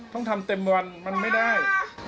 ต้องทำเต็มวันมันไม่ได้